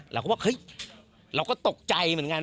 เราก็บอกเฮ้ยเราก็ตกใจเหมือนกัน